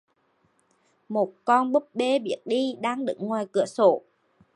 Một con búp bê biết đi đang đứng ngoài cửa sổ